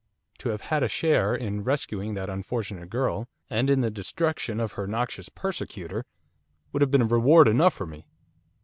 To have had a share in rescuing that unfortunate girl, and in the destruction of her noxious persecutor, would have been reward enough for me.